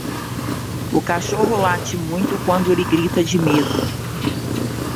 O cachorro late muito quando ele grita de medo.